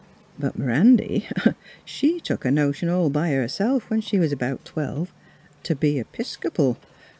But M 'randy, she took a notion all by herself, when she was 'bout twelve, t' be a 'Piscopal.